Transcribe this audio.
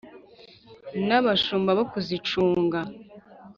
n' abashumba bo kuzicunga